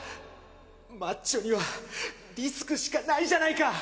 マッチョにはリスクしかないじゃないか！